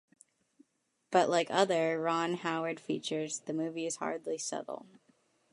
But like other Ron Howard features, the movie is hardly subtle.